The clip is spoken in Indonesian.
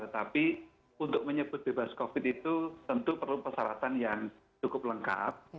tapi untuk menyebut bebas covid itu tentu perlu persyaratan yang cukup lengkap